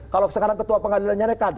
kalau sekarang ketua pengadilannya nekat